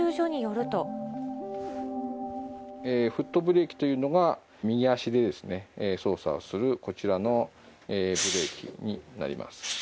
フットブレーキというのが右足で操作をする、こちらのブレーキになります。